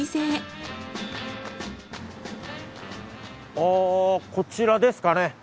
あぁこちらですかね。